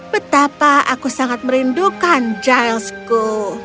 betapa aku sangat merindukan gilesku